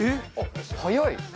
あっ早い。